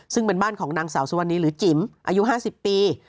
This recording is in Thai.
ซึ่งเป็นบ้านของนางสาวสุวรรณีหรือจิ๋มอายุ๕๐ปี